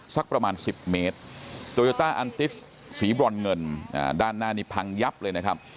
สักประมาณ๑๐เมตรโตโยต้าอันติสสีบรอนเงินด้านหน้านี้พังยับเลยนะครับ